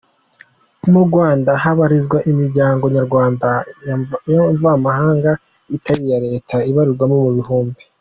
Mu Rwanda habarizwa imiryango nyarwanda na mvamahanga itari iya Leta ibarirwa mu bihumbi.